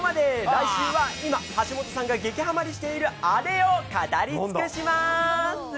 来週は、今、橋本さんが激はまりしているあれを語り尽くします。